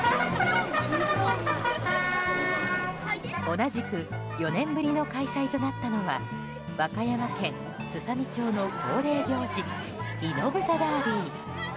同じく４年ぶりの開催となったのは和歌山県すさみ町の恒例行事イノブタダービー。